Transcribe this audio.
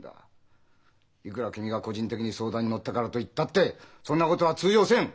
いくら君が「個人的に相談に乗ったから」と言ったってそんなことは通用せん！